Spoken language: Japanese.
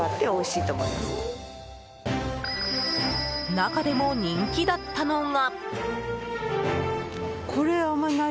中でも人気だったのが。